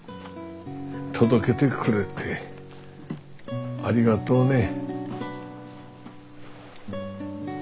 届けてくれてありがとうね。